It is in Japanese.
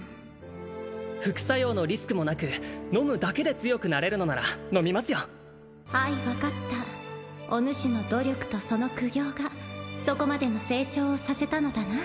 副作用のリスクもなく飲むだけで強くなれるのなら飲みますよあい分かったおぬしの努力とその苦行がそこまでの成長をさせたのだな